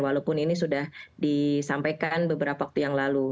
walaupun ini sudah disampaikan beberapa waktu yang lalu